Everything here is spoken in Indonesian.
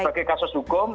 sebagai kasus hukum